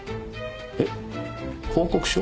えっ報告書？